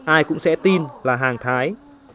ai cũng sẽ tin là hàng thái